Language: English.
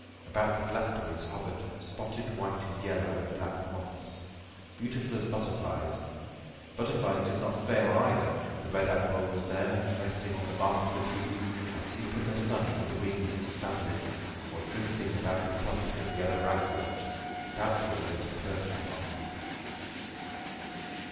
About the blackberries hovered spotted white and yellow and black moths, beautiful as butterflies. Butterflies did not fail either. The red admiral was there, resting on the bark of the trees, asleep in the sun with wings expanded, or drifting about the clumps of yellow ragwort, doubtful whether to perch or not.